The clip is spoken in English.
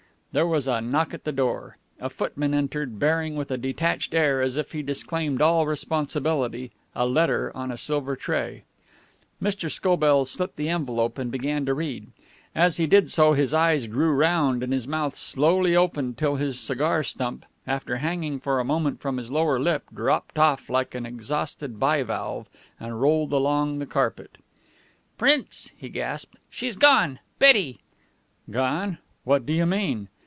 There was a knock at the door. A footman entered, bearing, with a detached air, as if he disclaimed all responsibility, a letter on a silver tray. Mr. Scobell slit the envelope, and began to read. As he did so his eyes grew round, and his mouth slowly opened till his cigar stump, after hanging for a moment from his lower lip, dropped off like an exhausted bivalve and rolled along the carpet. "Prince," he gasped, "she's gone. Betty!" "Gone! What do you mean?"